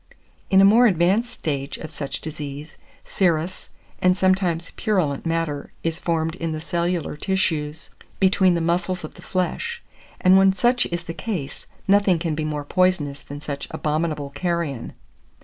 In a more advanced stage of such disease, serous, and sometimes purulent matter, is formed in the cellular tissues between the muscles of the flesh; and when such is the case, nothing can be more poisonous than such abominable carrion.